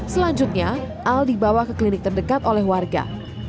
selanjutnya al dibawa ke klinik terdekat oleh warga